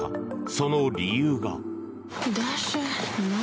その理由が。